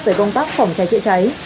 với công tác phòng cháy chữa cháy